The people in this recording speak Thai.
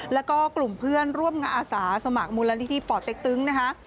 แล้วก็กลุ่มเพื่อนร่วมงานอาสาสมัครมูลนิธิป่อเต็กตึงนะคะ